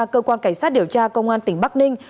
cơ quan cảnh sát điều tra công an tỉnh bắc ninh